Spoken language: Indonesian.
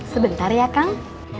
sebentar ya kang